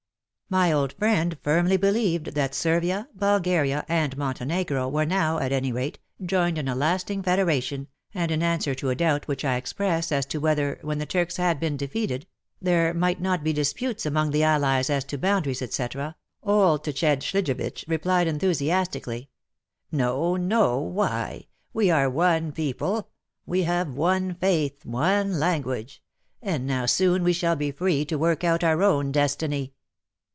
My old friend firmly believed that Servia, Bulgaria and Montenegro were now, at any rate, joined in a lasting federation, and in answer to a doubt which I expressed as to whether, when the Turks had been defeated, there might not be disputes amongst the Allies as to boundaries, etc., old Tsched Schljivitsch replied enthusiastically :*' No, no — Why ! we are one people — we have one faith, one language — and now soon we shall be free to work out our own destiny